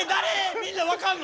みんな分かんの？